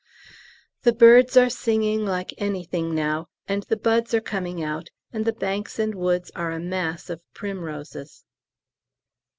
The birds are singing like anything now, and all the buds are coming out, and the banks and woods are a mass of primroses.